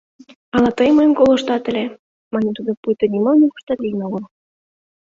— Ала тый мыйым колыштат ыле? — мане тудо, пуйто нимо нигуштат лийын огыл.